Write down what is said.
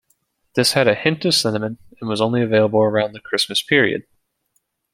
This had a hint of cinnamon, and was only available around the Christmas period.